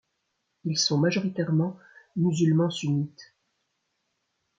Ils sont majoritairement musulmans sunnites.